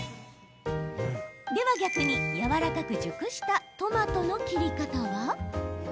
では、逆にやわらかく熟したトマトの切り方は？